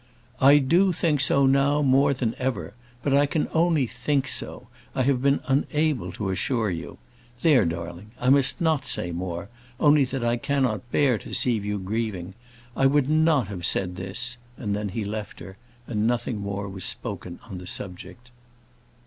"I do think so now more than ever. But I only think so; I have been unable to assure you. There, darling, I must not say more; only that I cannot bear to see you grieving, I would not have said this:" and then he left her, and nothing more was spoken on the subject.